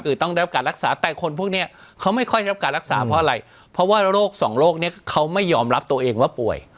คือต้องได้รับการรักษาแต่คนพวกนี้เขาไม่ค่อยได้รับการรักษาเพราะอะไรเพราะว่าโรคสองโรคนี้เขาไม่ยอมรับตัวเองว่าป่วย